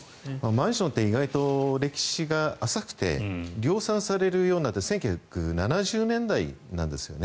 マンションって意外と歴史が浅くて量産されるようになったのは１９７０年代なんですね。